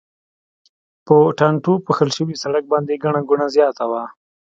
په ټانټو پوښل شوي سړک باندې ګڼه ګوڼه زیاته وه.